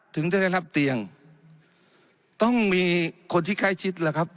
ถึงจะได้รับเตียงต้องมีคนที่ใกล้ชิดล่ะครับ